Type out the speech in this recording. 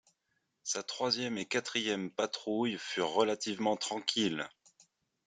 Sa troisième et quatrième patrouilles furent relativement tranquille.